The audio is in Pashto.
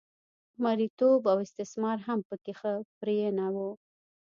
مریتوب او استثمار هم په کې ښه پرېنه و